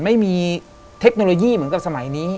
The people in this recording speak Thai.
ไม่มีเทคโนโลยีเหมือนกับสมัยนี้